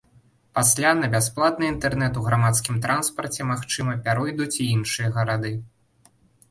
Пасля на бясплатны інтэрнэт у грамадскім транспарце, магчыма, пяройдуць і іншыя гарады.